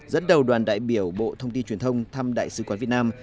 dẫn đầu đoàn đại biểu bộ thông tin truyền thông thăm đại sứ quán việt nam